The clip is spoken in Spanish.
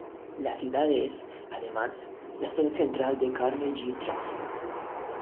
La ciudad es, además, la sede central de Carnegie Trusts.